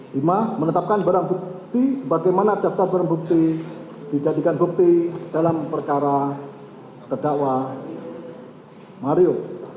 lima menetapkan barang bukti sebagaimana daftar barang bukti dijadikan bukti dalam perkara terdakwa mario